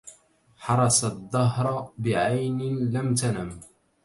حرس الدهر بعين لم تنم